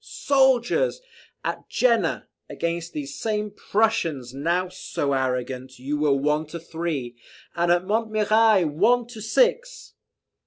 "Soldiers! at Jena, against these same Prussians, now so arrogant, you were one to three, and at Montmirail one to six!